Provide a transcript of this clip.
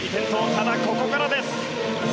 ただ、ここからです。